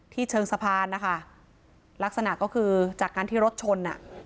เชิงสะพานนะคะลักษณะก็คือจากการที่รถชนอ่ะ